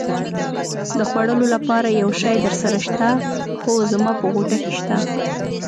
د خوړلو لپاره یو شی درسره شته؟ هو، زما په غوټه کې شته.